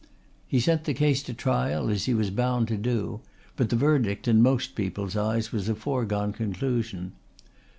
He sent the case to trial as he was bound to do, but the verdict in most people's eyes was a foregone conclusion.